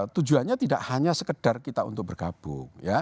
tujuannya tidak hanya sekedar kita untuk bergabung